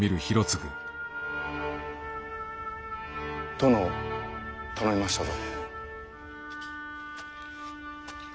殿を頼みましたぞ。